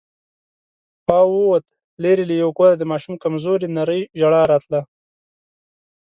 پاو ووت، ليرې له يوه کوره د ماشوم کمزورې نرۍ ژړا راتله.